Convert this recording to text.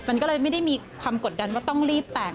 มันก็เลยไม่ได้มีความกดดันว่าต้องรีบแต่ง